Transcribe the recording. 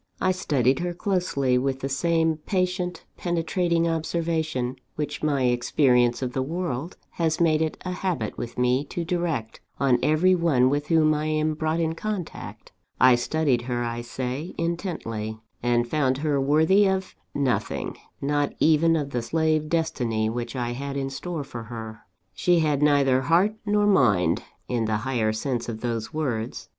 I studied her closely, with the same patient, penetrating observation, which my experience of the world has made it a habit with me to direct on every one with whom I am brought in contact I studied her, I say, intently; and found her worthy of nothing, not even of the slave destiny which I had in store for her. "She had neither heart nor mind, in the higher sense of those words.